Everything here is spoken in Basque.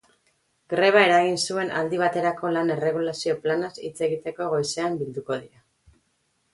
Greba eragin zuen aldi baterako lan erregulazio planaz hitz egiteko goizean bilduko dira.